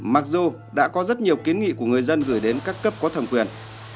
mặc dù đã có rất nhiều kiến nghị của người dân gửi đến các cấp có thẩm quyền